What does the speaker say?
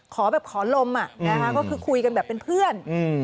ของแบบข่อลมก็คือคุยกันแบบเป็นเพื่อน